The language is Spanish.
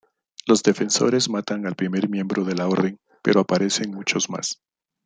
Los Defensores matan al primer miembro de la Orden, pero aparecen muchos más.